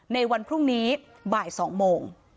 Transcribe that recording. ในวันพรุ่งนี้บ่าย๒โมง